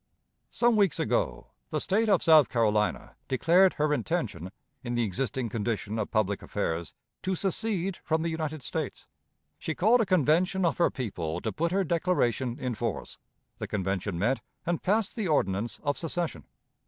Some weeks ago, the State of South Carolina declared her intention, in the existing condition of public affairs, to secede from the United States. She called a convention of her people to put her declaration in force. The Convention met and passed the ordinance of secession.